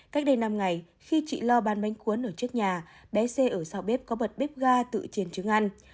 cách đây năm ngày khi chị lo bán bánh cuốn ở trước nhà bé xe ở sau bếp có bật bếp ga tự trên trứng ăn